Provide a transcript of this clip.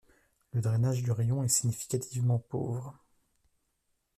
Le drainage du rayon est significativement pauvre.